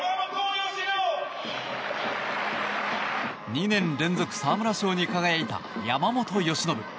２年連続沢村賞に輝いた山本由伸。